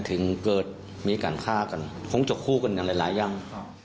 ถึงเกิดมีการฆ่ากันคงจะคู่กันหลายอย่าง